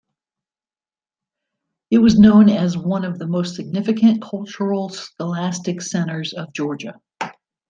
It was known as one of the most significant cultural-scholastic centres of Georgia.